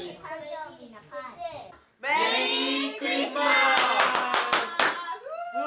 メリークリスマス！